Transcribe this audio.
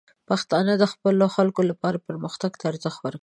پښتانه د خپلو خلکو لپاره پرمختګ ته ارزښت ورکوي.